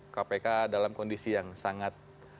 kpk dalam kondisi yang sangat